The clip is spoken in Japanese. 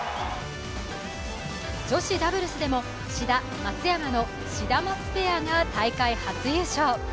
女子ダブルスでも、志田・松山のシダマツペアが大会初優勝。